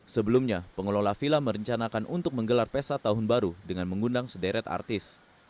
sebelumnya pengelola villa merencanakan untuk menggelar pesta tahun baru dengan mengundang sederet artis